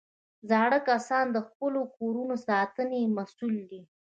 زاړه کسان د خپلو کورو د ساتنې مسؤل دي